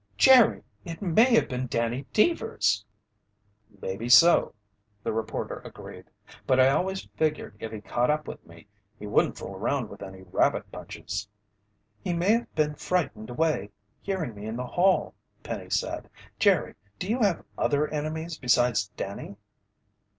"Jerry, it may have been Danny Deevers!" "Maybe so," the reporter agreed. "But I always figured if he caught up with me, he wouldn't fool around with any rabbit punches." "He may have been frightened away, hearing me in the hall," Penny said. "Jerry, do you have other enemies besides Danny?"